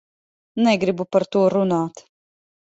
Negribu par to runāt.